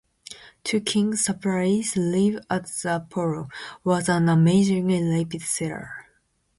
To King's surprise, "Live at the Apollo" was an amazingly rapid seller.